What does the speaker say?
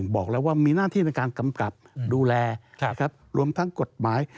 บอกแล้วว่ามีหน้าที่ในการกำกับดูแลรวมทั้งกฎหมาย